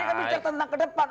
ini kan bicara tentang ke depan